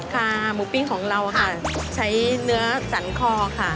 ค่ะหมูปิ้งของเราค่ะใช้เนื้อสันคอค่ะ